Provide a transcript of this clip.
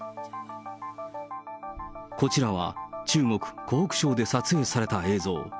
こちらは、中国・湖北省で撮影された映像。